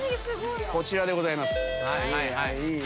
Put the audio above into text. こちらでございます。